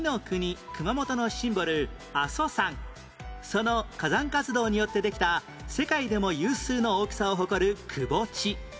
その火山活動によってできた世界でも有数の大きさを誇る凹地